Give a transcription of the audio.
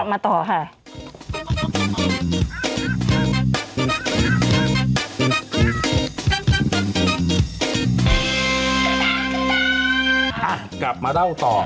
กลับมาเล่าต่อ